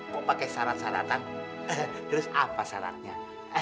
mau pakai syarat syaratan terus apa syaratnya